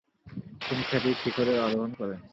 তিনি খ্যাতির শিখরে আরোহণ করেন।